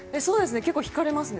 結構、引かれますね。